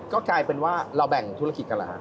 ก็คลายเป็นว่าเราแบ่งธุรกิจกันหรือครับ